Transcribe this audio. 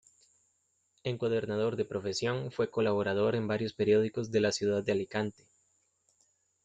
Encuadernador de profesión, fue colaborador en varios periódicos de la ciudad de Alicante.